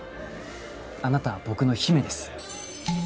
あなたは僕の姫です。